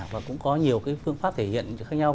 và cũng có nhiều phương pháp thể hiện khác nhau